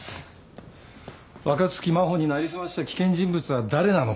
若槻真帆に成り済ました危険人物は誰なのか。